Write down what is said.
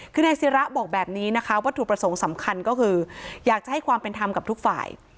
คือนายศิระบอกแบบนี้นะคะวัตถุประสงค์สำคัญก็คืออยากจะให้ความเป็นธรรมกับทุกฝ่าย